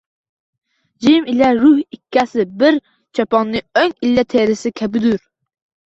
Jism ila ruh ikkisi bir choponning o’ng ila terisi kabidur